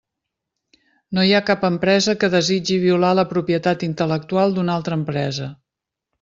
No hi ha cap empresa que desitgi violar la propietat intel·lectual d'una altra empresa.